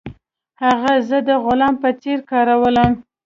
هغه زه د غلام په څیر کارولم.